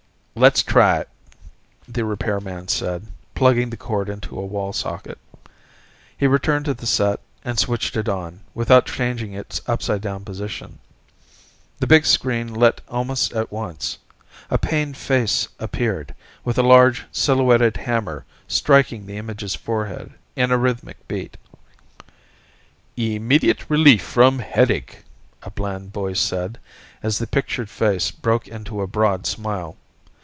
"Let's try it," the repairman said, plugging the cord into a wall socket. He returned to the set, and switched it on, without changing its upside down position. The big screen lit almost at once; a pained face appeared, with a large silhouetted hammer striking the image's forehead in a rhythmic beat. "... Immediate relief from headache," a bland voice said, as the pictured face broke into a broad smile.